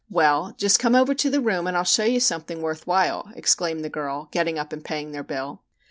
"Well, just come over to the room and I'll show you something worth while," exclaimed the girl, getting up and paying their bill.